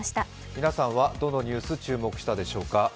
皆さんはどのニュース注目したでしょうか。